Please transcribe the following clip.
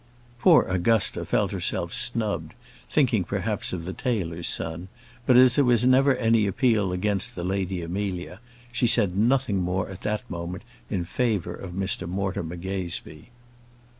Poor Augusta felt herself snubbed, thinking perhaps of the tailor's son; but as there was never any appeal against the Lady Amelia, she said nothing more at that moment in favour of Mr Mortimer Gazebee.